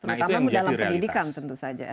nah itu yang menjadi realitas